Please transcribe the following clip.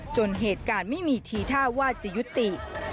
จนเหตุการณ์ไม่มีทีท่าว่าจะยุติ